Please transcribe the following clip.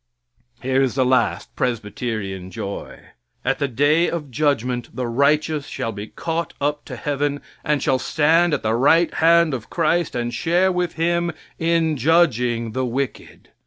Here is the last Presbyterian joy: At the day of judgment the righteous shall be caught up to heaven and shall stand at the right hand of Christ and share with Him in judging the wicked.